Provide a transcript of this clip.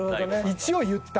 一応言った。